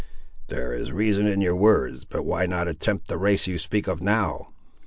"There is reason in your words; but why not attempt the race you speak of now?"